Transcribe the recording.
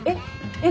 えっ？